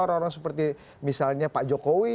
orang orang seperti misalnya pak jokowi